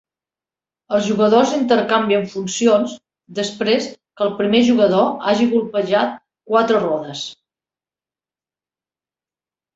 Els jugadors intercanvien funcions després que el primer jugador hagi colpejat quatre rodes.